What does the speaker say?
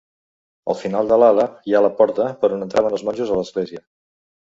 Al final de l'ala hi ha la porta per on entraven els monjos a l'església.